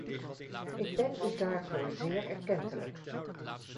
Ik ben u daarvoor zeer erkentelijk.